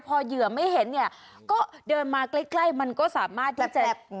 พอเหยื่อไม่เห็นเนี่ยก็เดินมาใกล้มันก็สามารถที่จะ